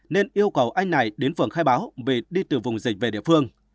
nên yêu cầu anh này đến phường khai báo vì đi từ vùng dịch về địa phương